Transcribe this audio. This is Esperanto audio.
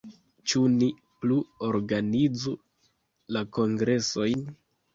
Ĉu ni plu organizu la kongresojn?